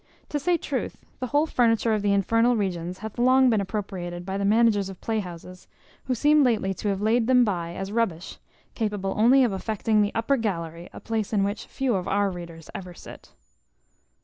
To say truth, the whole furniture of the infernal regions hath long been appropriated by the managers of playhouses, who seem lately to have laid them by as rubbish, capable only of affecting the upper gallery; a place in which few of our readers ever sit.